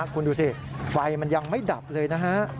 คุณดูสิไฟมันยังไม่ดับเลยนะฮะ